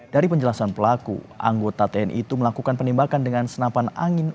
dari penjelasan pelaku anggota tni itu melakukan penembakan dengan senapan angin